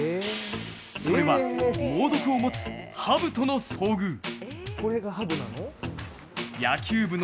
それは猛毒を持つ、ハブとの遭遇。